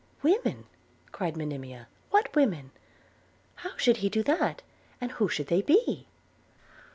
'Women!' cried Monimia, 'what women? How should he do that? and who should they be?'